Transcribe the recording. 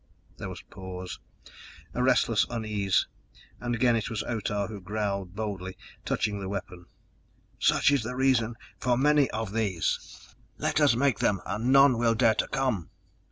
There was pause, a restless unease. And again it was Otah who growled boldly, touching the weapon: "Such is the reason for many of these. Let us make them, and none will dare to come!"